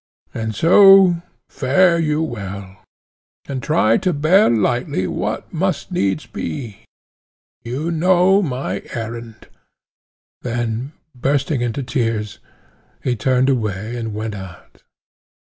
And so fare you well, and try to bear lightly what must needs be—you know my errand. Then bursting into tears he turned away and went out.